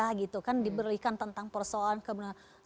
gitu kan diberikan tentang persoalan kebenaran